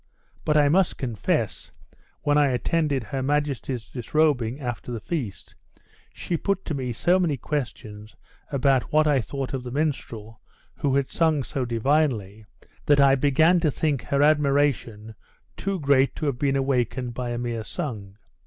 But I must confess, when I attended her majesty's disrobing after the feast, she put to me so many questions about what I thought of the minstrel who had sung so divinely, that I began to think her admiration too great to have been awakened by a mere song.